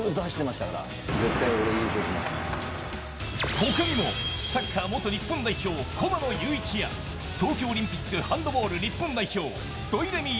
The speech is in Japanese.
他にもサッカー元日本代表、駒野友一や東京オリンピック、ハンドボール日本代表、土井レミイ